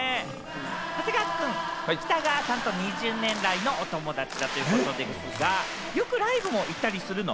長谷川くん、北川さんと２０年来の友達だということですが、よくライブも行ったりするの？